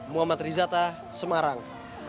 muhammad rizata semarang